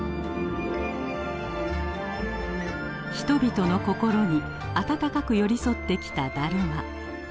人々の心に温かく寄り添ってきただるま。